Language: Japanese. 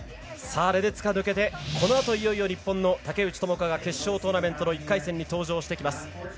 レデツカ抜けて、このあといよいよ日本の竹内智香が決勝トーナメントの１回戦に登場してきます。